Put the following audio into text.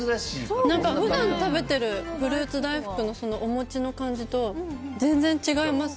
普段食べてるフルーツ大福のお餅の感じとは全然違います。